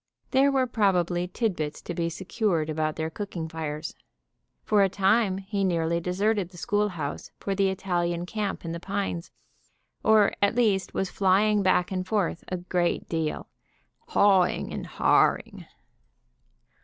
There were probably titbits to be secured about their cooking fires. For a time he nearly deserted the schoolhouse for the Italian camp in the pines, or at least was flying back and forth a great deal, "hawing" and "harring."